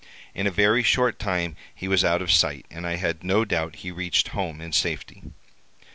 In a very short time he was out of sight, and I have no doubt he reached home in safety.